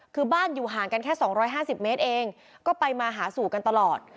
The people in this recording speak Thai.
คือบ้านอยู่ห่างกันแค่สองร้อยห้าสิบเมตรเองก็ไปมาหาสู่กันตลอด